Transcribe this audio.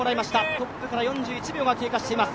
トップから４１秒が経過しています。